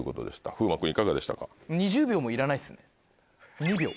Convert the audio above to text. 風磨君いかがでしたか？